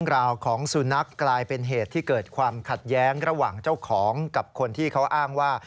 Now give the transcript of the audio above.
ราวของสุนัขกลายเป็นเหตุที่เกิดความขัดแย้งระหว่างเจ้าของกับคนที่เขาอ้างว่า